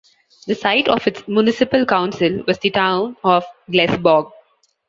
The site of its municipal-council was the town of Glesborg.